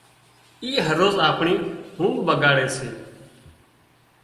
اي هروز آپڻي اونگھ ٻڳاڙي سي